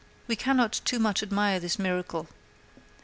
We cannot too much admire this miracle.